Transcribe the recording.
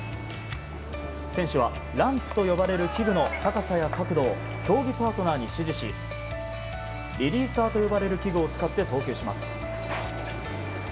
選手はランプと呼ばれる器具の高さや角度を競技パートナーに指示しリリーサーと呼ばれる器具を使って投球します。